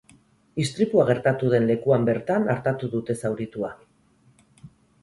Istripua gertatu den lekuan bertan artatu dute zauritua.